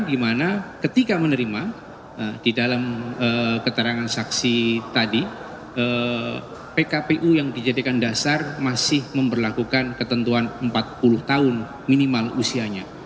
di mana ketika menerima di dalam keterangan saksi tadi pkpu yang dijadikan dasar masih memperlakukan ketentuan empat puluh tahun minimal usianya